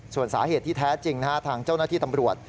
ส่วนสาเหตุที่แท้จริงทางเจ้าหน้าที่ตำรวจ